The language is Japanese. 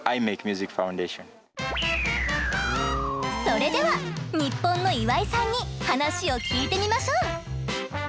それではニッポンの岩井さんに話を聞いてみましょう！